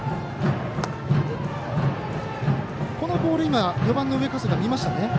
このボール、４番の上加世田見ましたね。